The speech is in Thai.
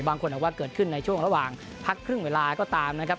บางคนบอกว่าเกิดขึ้นในช่วงระหว่างพักครึ่งเวลาก็ตามนะครับ